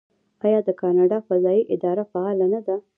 آیا د کاناډا فضایی اداره فعاله نه ده؟